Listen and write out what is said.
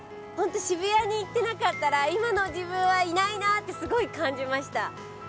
ホント渋谷に行ってなかったら今の自分はいないなってすごい感じました。